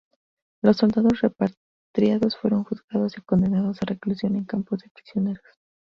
Los soldados repatriados fueron juzgados y condenados a reclusión en campos de prisioneros.